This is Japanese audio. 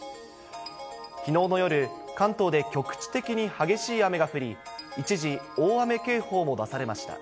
きのうの夜、関東で局地的に激しい雨が降り、一時、大雨警報も出されました。